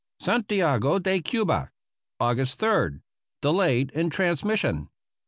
] Santiago de Cuba, August 3d (delayed in transmis sion).